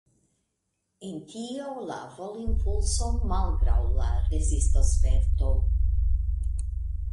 En tio la volimpulso malgraŭ la rezistosperto.